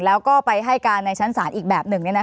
แล้วก็ไปให้การในชั้นศาลอีกแบบหนึ่ง